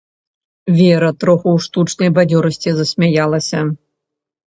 Вера троху ў штучнай бадзёрасці засмяялася.